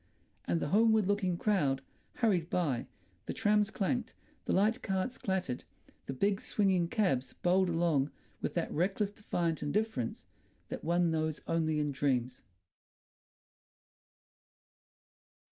And the homeward looking crowd hurried by, the trams clanked, the light carts clattered, the big swinging cabs bowled along with that reckless, defiant indifference that one knows only in dreams....